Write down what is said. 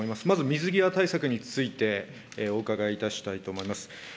まず水際対策について、お伺いいたしたいと思います。